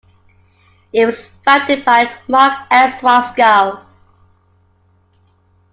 It was founded by Mark S. Waskow.